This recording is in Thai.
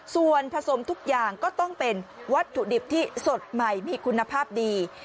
ส่วนผสมทุกอย่างก็ต้องเป็นวัตถุดิบที่สดใหม่มีคุณภาพดี